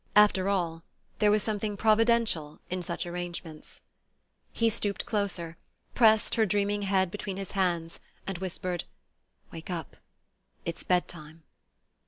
After all, there was something Providential in such arrangements. He stooped closer, pressed her dreaming head between his hands, and whispered: "Wake up; it's bedtime."